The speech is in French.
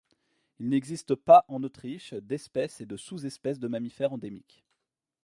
Il n'existe pas en Autriche d'espèce et de sous-espèce de mammifère endémique.